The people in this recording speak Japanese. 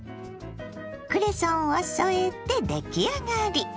クレソンを添えて出来上がり。